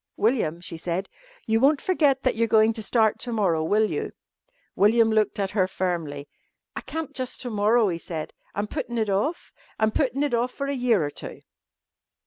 "William," she said. "You won't forget that you're going to start to morrow, will you?" William looked at her firmly. "I can't jus' to morrow," he said. "I'm puttin' it off. I'm puttin' it off for a year or two."